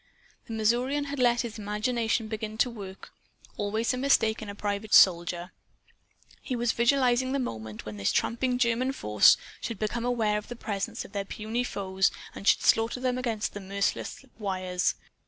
The Missourian had let his imagination begin to work; always a mistake in a private soldier. He was visualizing the moment when this tramping German force should become aware of the presence of their puny foes and should slaughter them against the merciless wires.